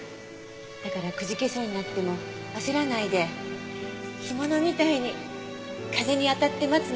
だからくじけそうになっても焦らないで干物みたいに風に当たって待つのよ。